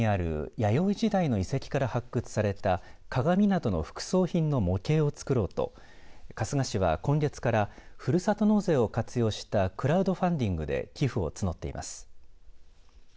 春日市にある弥生時代の遺跡から発掘された鏡などの副葬品の模型を作ろうと春日市は今月からふるさと納税を活用したクラウドファンディングで寄付を募っています。